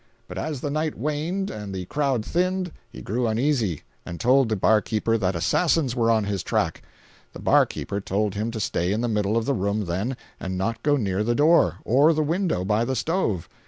But as the night waned and the crowd thinned, he grew uneasy, and told the bar keeper that assassins were on his track. The bar keeper told him to stay in the middle of the room, then, and not go near the door, or the window by the stove.